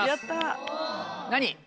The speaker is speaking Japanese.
何？